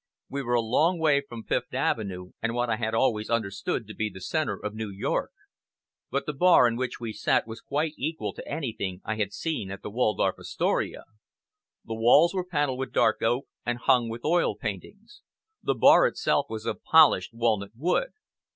We were a long way from Fifth Avenue, and what I had always understood to be the centre of New York; but the bar in which we sat was quite equal to anything I had seen at the Waldorf Astoria. The walls were panelled with dark oak, and hung with oil paintings. The bar itself was of polished walnut wood.